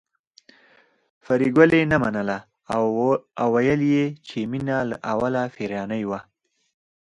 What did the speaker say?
پري ګلې نه منله او ويل يې چې مينه له اوله پيريانۍ وه